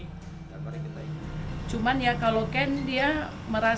kode etik polri apa yang disebutkan di sana bahwa yang dilakukan